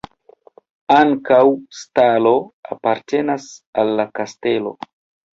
Ankaŭ stalo apartenas al la kastelo.